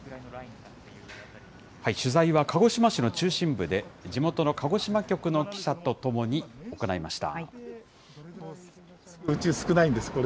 取材は、鹿児島市の中心部で、地元の鹿児島局の記者と共に行いました。